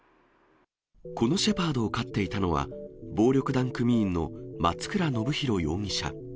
このシェパードを飼っていたのは、暴力団組員の松倉信弘容疑者。